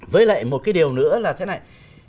với lại một cái điều nữa là thế này